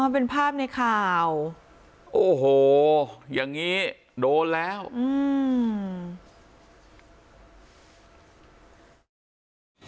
เป็นภาพในข่าวโอ้โหอย่างงี้โดนแล้วอืม